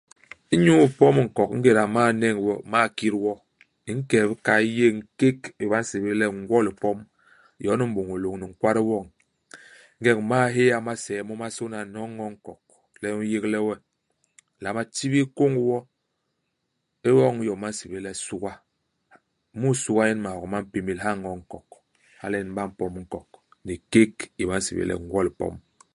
Inyu ipom nkok ingéda u m'mal net wo, u m'mal kit wo, u nke i bikay, u yéñ kék i ba nsébél le ngwo-lipom ; yon u m'bôñôl lôñni nkwade woñ. Ingeñ u m'mal héya masee momasôna nyono i ño u nkok, le u n'yégle we, u nlama tibil kông wo ; u oñ iyom ba nsébél le suga. Mu i suga nyen maok ma mpémél, ha i ño u nkok. Hala nyen ba mpom nkok, ni kék i ba nsébél le ngwo-lipom.